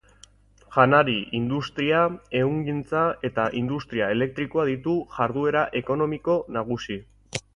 Janari-industria, ehungintza eta industria elektrikoa ditu jarduera ekonomiko nagusi.